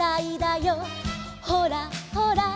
「ほらほら」